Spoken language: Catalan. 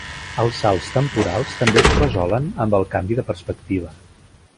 Els salts temporals també es resolen amb el canvi de perspectiva.